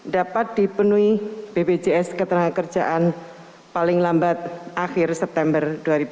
dapat dipenuhi bpjs ketenagakerjaan paling lambat akhir september dua ribu dua puluh